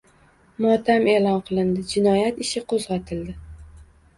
Motam e’lon qilindi, jinoyat ishi qo‘zg‘atildi